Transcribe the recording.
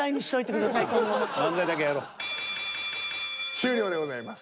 終了でございます。